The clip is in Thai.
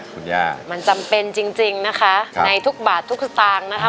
คุณย่ามันจำเป็นจริงจริงนะคะในทุกบาททุกสตางค์นะคะ